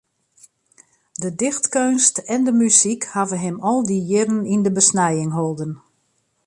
De dichtkeunst en de muzyk hawwe him al dy jierren yn de besnijing holden.